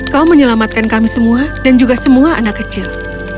kau menyelamatkan kami semua dan juga semua anak kecil